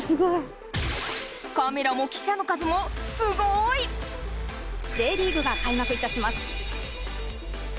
カメラも記者の数もすごい！・Ｊリーグが開幕いたします。